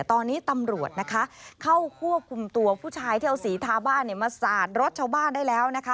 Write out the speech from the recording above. ตอนนี้ตำรวจนะคะเข้าควบคุมตัวผู้ชายที่เอาสีทาบ้านมาสาดรถชาวบ้านได้แล้วนะคะ